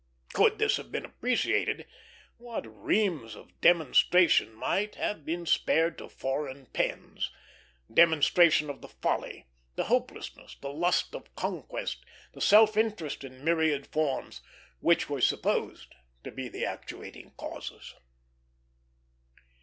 Could this have been appreciated, what reams of demonstration might have been spared to foreign pens demonstration of the folly, the hopelessness, the lust of conquest, the self interest in myriad forms, which were supposed to be the actuating causes.